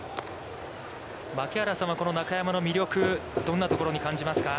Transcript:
槙原さんはこの中山の魅力、どんなところに感じますか。